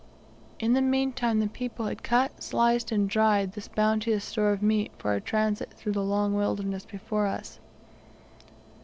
In the meantime the people had cut, sliced, and dried this bounteous store of meat for our transit through the long wilderness before us.